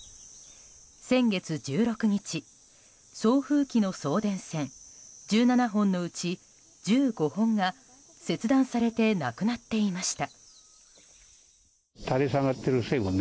先月１６日、送風機の送電線１７本のうち１５本が切断されてなくなっていました。